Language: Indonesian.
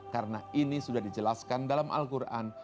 karena ini sudah dijelaskan dalam al quran